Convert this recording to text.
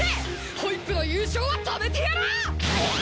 ホイップの優勝は止めてやらあ！